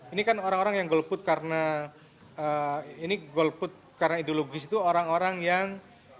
ini kan orang orang yang golput karena ideologis itu orang orang yang